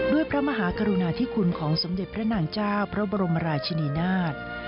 พระมหากรุณาธิคุณของสมเด็จพระนางเจ้าพระบรมราชินีนาฏ